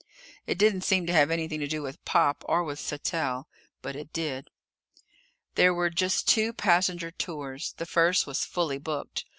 It didn't seem to have anything to do with Pop or with Sattell. But it did. There were just two passenger tours. The first was fully booked.